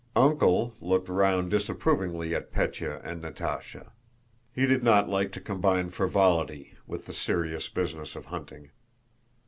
"Uncle" looked round disapprovingly at Pétya and Natásha. He did not like to combine frivolity with the serious business of hunting.